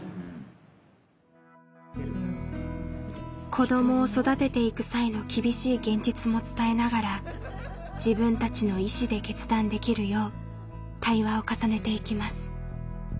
子どもを育てていく際の厳しい現実も伝えながら自分たちの意思で決断できるよう対話を重ねていきます。